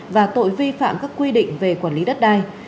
và tội vi phạm các quy định về quản lý đất đai